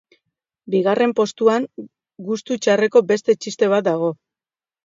Bigarren postuan gustu txarreko beste txiste bat dago.